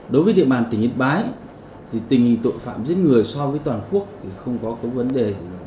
đối với địa bàn tỉnh yên bái thì tình hình tội phạm giết người so với toàn quốc không có vấn đề